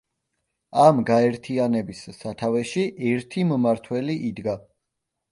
ამ გაერთიანების სათავეში ერთი მმართველი იდგა.